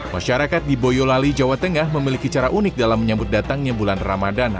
masyarakat di boyolali jawa tengah memiliki cara unik dalam menyambut datangnya bulan ramadan